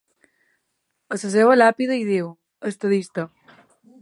A la seva làpida hi diu: Estadista.